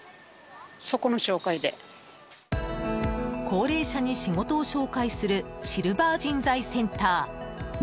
高齢者に仕事を紹介するシルバー人材センター。